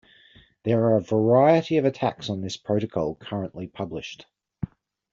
There are a variety of attacks on this protocol currently published.